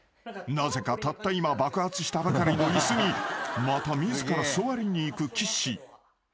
［なぜかたった今爆発したばかりの椅子にまた自ら座りに行く岸］